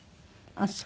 ああそう。